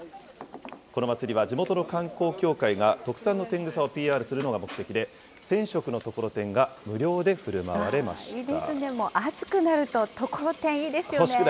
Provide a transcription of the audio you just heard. この祭りは地元の観光協会が特産のテングサをＰＲするのが目的で、１０００食のところてんが無料でふるまわれました。